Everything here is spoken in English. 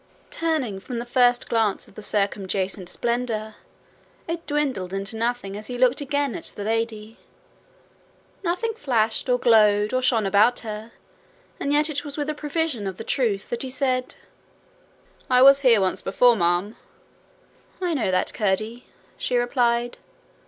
Turning from the first glance at the circuadjacent splendour, it dwindled into nothing as he looked again at the lady. Nothing flashed or glowed or shone about her, and yet it was with a prevision of the truth that he said, 'I was here once before, ma'am.' 'I know that, Curdie,' she replied.